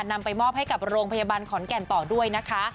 นำไปมอบให้กับโรงพยาบาลขอนแก่นต่อด้วยนะคะ